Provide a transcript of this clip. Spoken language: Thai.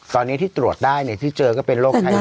ตอนนี้ที่ตรวจได้ที่เจอก็เป็นโรคไข้